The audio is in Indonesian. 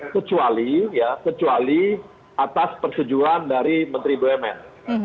kecuali ya kecuali atas persetujuan dari menteri bumn